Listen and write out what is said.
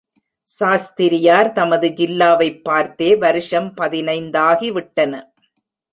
சாஸ்திரியார் தமது ஜில்லாவைப் பார்த்தே வருஷம் பதினைந்தாகி விட்டன.